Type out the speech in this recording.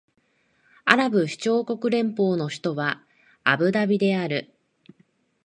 アラブ首長国連邦の首都はアブダビである